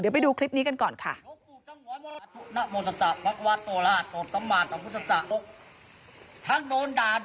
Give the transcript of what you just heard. เดี๋ยวไปดูคลิปนี้กันก่อนค่ะ